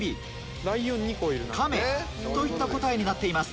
といった答えになっています。